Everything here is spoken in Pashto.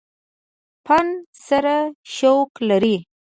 فن سره شوق لري ۔